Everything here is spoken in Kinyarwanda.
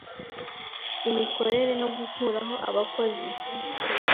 imikorere no gukuraho abakozi